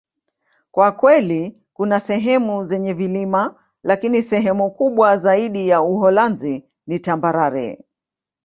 Kwa kweli, kuna sehemu zenye vilima, lakini sehemu kubwa zaidi ya Uholanzi ni tambarare.